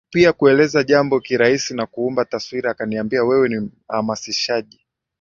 pia kueleza jambo kirahisi na kuumba taswira Akaniambia wewe ni mhamasishaji